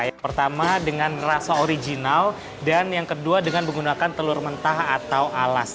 yang pertama dengan rasa original dan yang kedua dengan menggunakan telur mentah atau alas